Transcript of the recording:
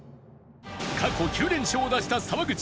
過去９連勝を出した沢口